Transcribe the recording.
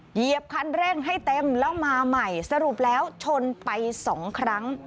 เหยียบคันเร่งให้เต็มแล้วมาใหม่สรุปแล้วชนไปสองครั้ง